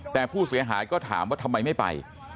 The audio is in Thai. แต่ผู้เสียหายก็ถามว่าทำไมไม่ไป